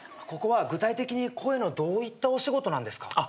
ここは具体的に声のどういったお仕事なんですか？